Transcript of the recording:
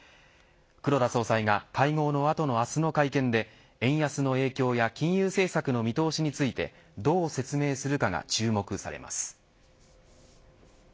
黒田総裁が会合の後の明日の会見で円安の影響や金融政策の見通しについてどう説明するかが注目されます。